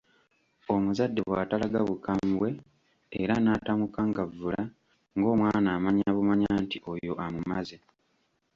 Omuzadde bw’atalaga bukambwe era n'atamukangavvula ng'omwana amanya bumanya nti oyo amumaze.